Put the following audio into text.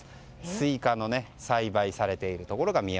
スイカが栽培されているところが。